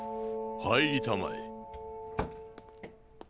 入りたまえ。